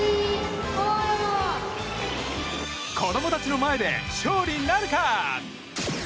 子供たちの前で勝利なるか。